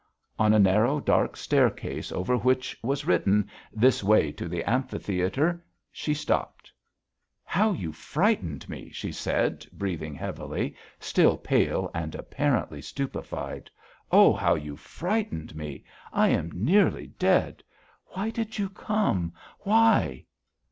On a narrow, dark staircase over which was written: "This Way to the Amphitheatre," she stopped: "How you frightened me!" she said, breathing heavily, still pale and apparently stupefied. "Oh! how you frightened me! I am nearly dead. Why did you come? Why?"